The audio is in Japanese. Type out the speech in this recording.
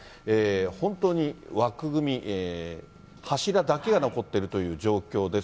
本当に枠組み、柱だけが残ってるという状況です。